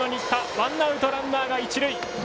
ワンアウト、ランナーが一塁。